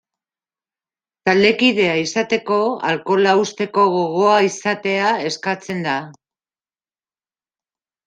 Taldekidea izateko alkohola uzteko gogoa izatea eskatzen da.